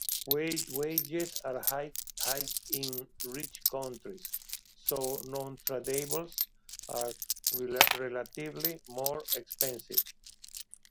Wages are high in rich countries, so nontradables are relatively more expensive.